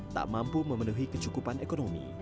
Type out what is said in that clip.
tak mampu memenuhi kecukupan ekonomi